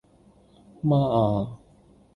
媽呀